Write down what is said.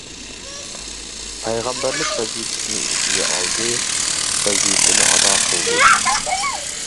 پەيغەمبەرلىك ۋەزىپىسىنى ئۈستىگە ئالدى، ۋەزىپىنى ئادا قىلدى.